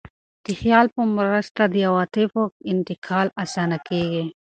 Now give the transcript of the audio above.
د خیال په مرسته د عواطفو انتقال اسانه کېږي.